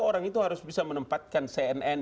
orang itu harus bisa menempatkan cnn